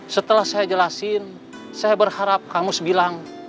setelah saya jelasin saya berharap kang mus bilang